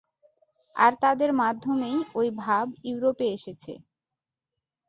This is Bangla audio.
আর তাদের মাধ্যমেই ঐ ভাব ইউরোপে এসেছে।